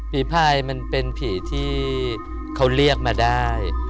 ภายมันเป็นผีที่เขาเรียกมาได้